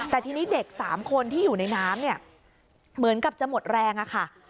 แต่ทีนี้เด็ก๓คนที่อยู่ในน้ำเนี่ยเหมือนกับจะหมดแรงอะค่ะ